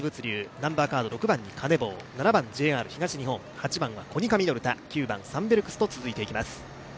ナンバーカード７番・ＪＲ東日本、８番・コニカミノルタ９番、サンベルクスと続いていきます。